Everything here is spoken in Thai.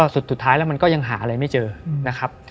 สุดท้ายแล้วมันก็ยังหาอะไรไม่เจอนะครับ